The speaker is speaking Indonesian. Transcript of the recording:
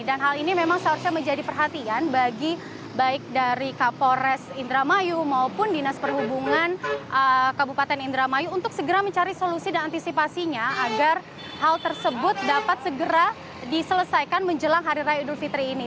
dan hal ini memang seharusnya menjadi perhatian bagi baik dari kapolres indramayu maupun dinas perhubungan kabupaten indramayu untuk segera mencari solusi dan antisipasinya agar hal tersebut dapat segera diselesaikan menjelang hari raya idul fitri ini